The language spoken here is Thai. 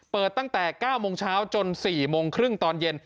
ตั้งแต่๙โมงเช้าจน๔โมงครึ่งตอนเย็น